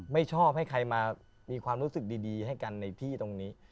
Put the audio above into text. ไม่ชอบให้ใครมามีความรู้สึกดีให้กันในที่ตรงนี้